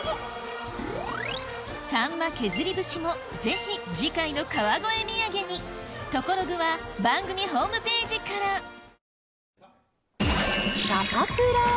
さんま削り節もぜひ次回の川越土産にトコログは番組ホームページからサタプラ。